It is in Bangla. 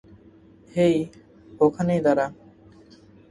হেই, ওখানেই দাঁড়া!